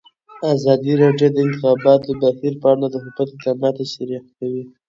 ازادي راډیو د د انتخاباتو بهیر په اړه د حکومت اقدامات تشریح کړي.